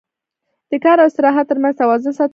د کار او استراحت تر منځ توازن ساتل اړین دي.